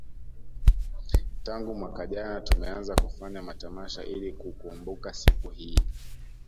Tangu mwaka jana tumeanza kufanya matamasha ili kukumbuka siku hii